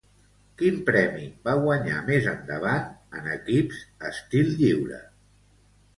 Quin premi va guanyar més endavant en equips estil lliure?